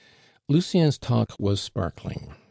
Lucien's talk was sparkling.